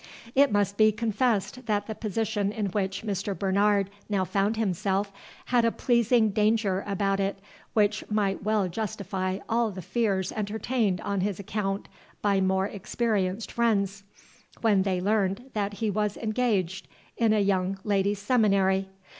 It must be confessed that the position in which Mr. Bernard now found himself had a pleasing danger about it which might well justify all the fears entertained on his account by more experienced friends, when they learned that he was engaged in a Young Ladies' Seminary.